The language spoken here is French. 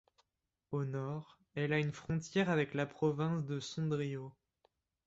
Au nord, elle a une frontière avec la province de Sondrio.